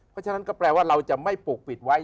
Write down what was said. เพราะฉะนั้นก็แปลว่าเราจะไม่ปกปิดไว้